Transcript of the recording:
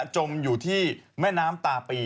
จมอยู่ที่แม่น้ำตาปี